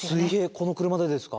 この車でですか？